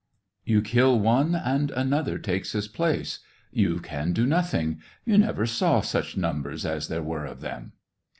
You kill one, and another takes his place — you can do nothing. You never saw such numbers as there were of them.